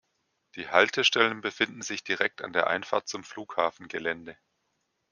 Die Haltestellen befinden sich direkt an der Einfahrt zum Flughafengelände.